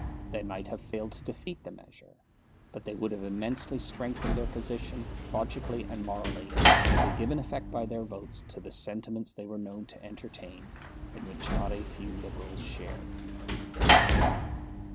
They might have failed to defeat the measure; but they would have immensely strengthened their position, logically and morally, had they given effect by their votes to the sentiments they were known to entertain, and which not a few Liberals shared.